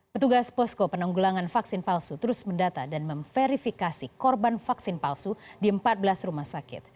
petugas posko penanggulangan vaksin palsu terus mendata dan memverifikasi korban vaksin palsu di empat belas rumah sakit